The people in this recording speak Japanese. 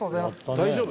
大丈夫？